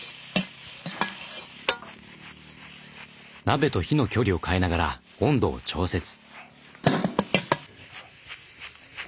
鍋と火の距離を変えながら温度を調節。